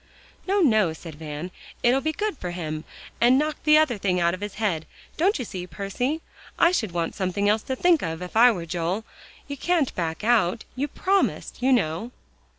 "No, no," said Van; "it'll be good for him, and knock the other thing out of his head, don't you see, Percy? I should want something else to think of if I were Joel. You can't back out; you promised, you know."